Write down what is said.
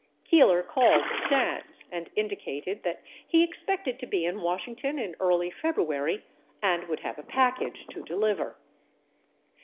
Keeler called Stans and indicated that he expected to be in Wash ington in early February and would have a package to deliver.